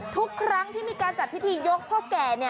ทุกครั้งที่มีการจัดพิธียกพ่อแก่